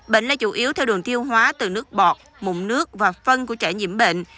bệnh là chủ yếu theo đường thiêu hóa từ nước bọt mụn nước và phân của trẻ nhiễm bệnh